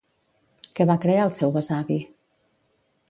Què va crear el seu besavi?